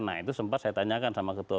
nah itu sempat saya tanyakan sama ketua